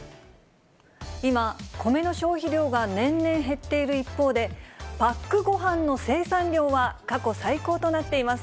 今、米の消費量が年々減っている一方で、パックごはんの生産量は過去最高となっています。